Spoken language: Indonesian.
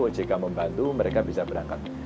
ojk membantu mereka bisa berangkat